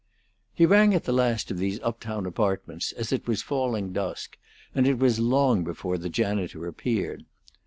He rang at the last of these up town apartments as it was falling dusk, and it was long before the janitor appeared.